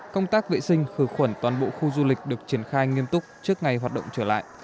công tác vệ sinh khử khuẩn toàn bộ khu du lịch được triển khai nghiêm túc trước ngày hoạt động trở lại